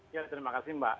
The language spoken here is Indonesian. ya terima kasih mbak